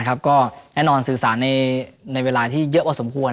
อะนะครับแน่นอนสื่อสารในเวลาที่เยอะว่าสมควร